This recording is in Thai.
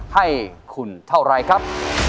ให้คุณเท่าไรครับ